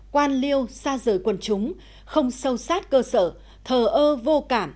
quan liêu xa rời quần chúng không sâu sát cơ sở thờ ơ vô cảm